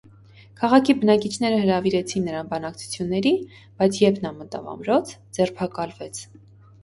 Քաղաքի բնակիչները հրավիրեցին նրան բանակցությունների, բայց երբ նա մտավ ամրոց, ձերբակալվեց։